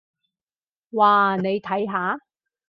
哇，你睇下！